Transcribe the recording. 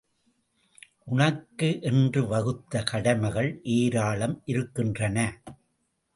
உனக்கு என்று வகுத்த கடமைகள் ஏராளம் இருக்கின்றன.